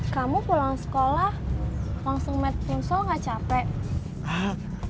kamu pulang sekolah langsung mati pingsol nggak capek